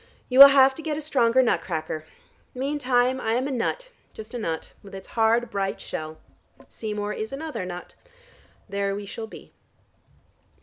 You will have to get a stronger nut cracker. Meantime I am a nut, just a nut, with its hard bright shell. Seymour is another nut. There we shall be."